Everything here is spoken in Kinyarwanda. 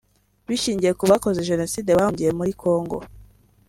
bishingiye ku bakoze Jenoside bahungiye muri Congo